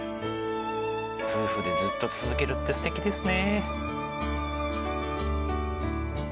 夫婦でずっと続けるって素敵ですね。